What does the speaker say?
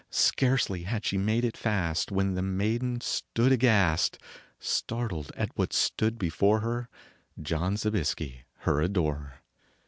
Scarcely had she made it fast When the maiden stood aghast ! Startled at what stood before her John Zobiesky, her adorer.